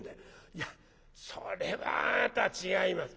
「いやそれはあなた違います。